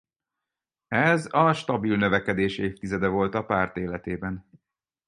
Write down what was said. Ez a stabil növekedés évtizede volt a párt életében.